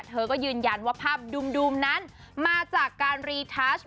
เธอก็ยืนยันว่าภาพดุมนั้นมาจากการรีทัช